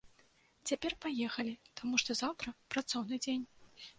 Цяпер паехалі, таму што заўтра працоўны дзень.